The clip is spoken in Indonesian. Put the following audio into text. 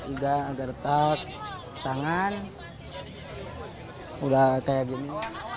iga udah retak tangan udah kayak gini